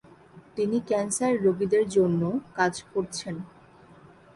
তিনি ক্যান্সার রোগীদের জন্যও কাজ করছেন।